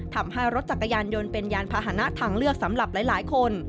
ทำให้รถจักรยานยนต์เป็นยานพาหนะทางเลือกสำหรับหลายคน